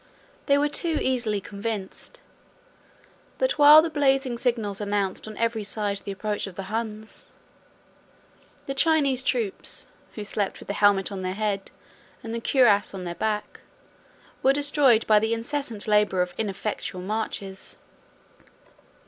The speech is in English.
They were too easily convinced, that while the blazing signals announced on every side the approach of the Huns, the Chinese troops, who slept with the helmet on their head, and the cuirass on their back, were destroyed by the incessant labor of ineffectual marches.